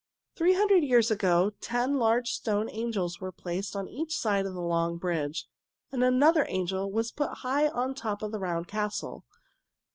Three hundred years ago ten large stone angels were placed on each side of the long bridge, and another angel was put high on top of the round castle.